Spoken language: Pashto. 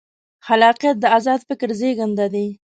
خلاقیت د ازاد فکر زېږنده دی.